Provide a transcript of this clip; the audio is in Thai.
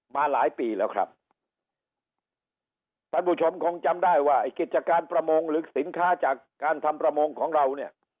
มาหลายปีแล้วครับท่านผู้ชมคงจำได้ว่าไอ้กิจการประมงหรือสินค้าจากการทำประมงของเราเนี่ย